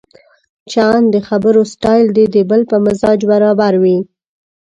چې ان د خبرو سټایل دې د بل په مزاج برابر وي.